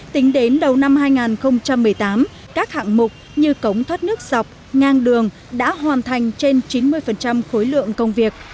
tính đến đầu năm hai nghìn một mươi tám các hạng mục như cống thoát nước dọc ngang đường đã hoàn thành trên chín mươi khối lượng công việc